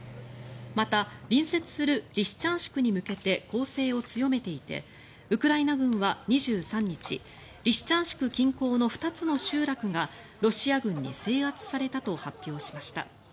また、隣接するリシチャンシクに向けて攻勢を強めていてウクライナ軍は２３日リシチャンシク近郊の２つの集落がロシア軍に制圧されたと発表しました。